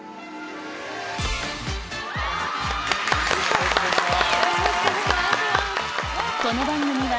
よろしくお願いします。